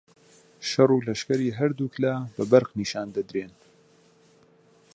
شەڕ و لەشکری هەردووک لا بە بەرق نیشان دەدرێن